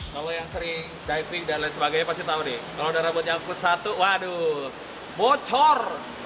kalau yang sering diving dan lain sebagainya pasti tahu deh kalau udah rambut nyangkut satu waduh bocor